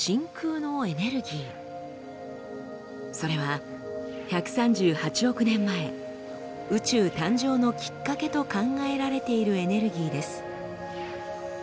それは１３８億年前宇宙誕生のきっかけと考えられているエネルギーです。